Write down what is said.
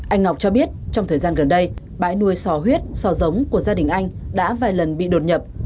anh ngọc cho biết trong thời gian gần đây bãi nuôi sò huyết sò giống của gia đình anh đã vài lần bị đột nhập